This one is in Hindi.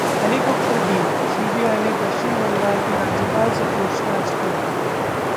हेलीकॉप्टर डील: सीबीआई ने पश्चिम बंगाल के राज्यपाल से पूछताछ की